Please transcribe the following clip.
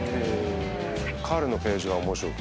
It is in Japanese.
彼のページは面白くて。